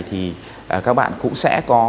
thì các bạn cũng sẽ có